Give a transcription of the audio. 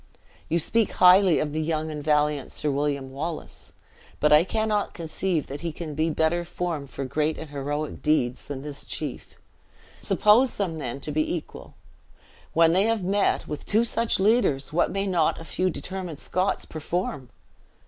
You speak highly of the young and valiant Sir William Wallace, but I cannot conceive that he can be better formed for great and heroic deeds than this chief. Suppose them, then, to be equal, when they have met, with two such leaders, what may not a few determined Scots perform?"